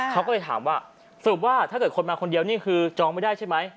เขาก็เลยถามว่าสรุปว่าถ้าเกิดคนมาคนเดียวนี่คือจองไม่ได้ใช่ไหม